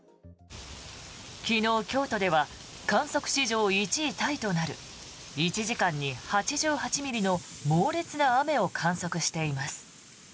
昨日、京都では観測史上１位タイとなる１時間に８８ミリの猛烈な雨を観測しています。